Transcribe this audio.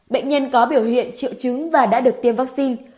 bệnh nhân có biểu hiện triệu chứng và đã được tiêm vaccine